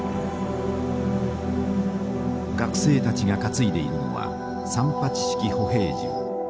学生たちが担いでいるのは三八式歩兵銃。